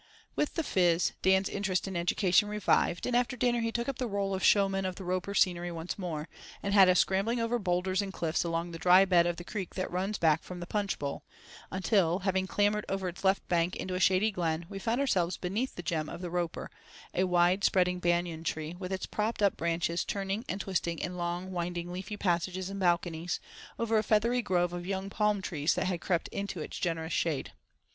With the "fizz," Dan's interest in education revived, and after dinner he took up the role of showman of the Roper scenery once more, and had us scrambling over boulders and cliffs along the dry bed of the creek that runs back from the Punch Bowl, until, having clambered over its left bank into a shady glen, we found ourselves beneath the gem of the Roper—a wide spreading banyan tree, with its propped up branches turning and twisting in long winding leafy passages and balconies, over a feathery grove of young palm trees that had crept into its generous shade.